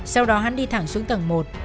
sau đó hắn đi thẳng xuống tầng một